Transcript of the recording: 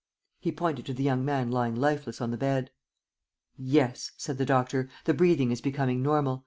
He pointed to the young man lying lifeless on the bed. "Yes," said the doctor. "The breathing is becoming normal.